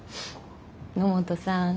野本さん。